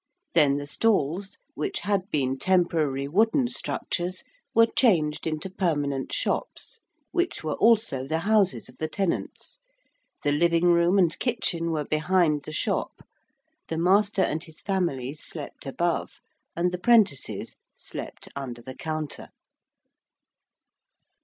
Then the stalls, which had been temporary wooden structures, were changed into permanent shops, which were also the houses of the tenants: the living room and kitchen were behind the shop: the master and his family slept above, and the prentices slept under the counter.